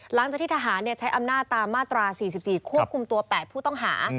หลังจากที่ทหารใช้อำนาจตามมาตรา๔๔ควบคุมตัว๘ผู้ต้องหา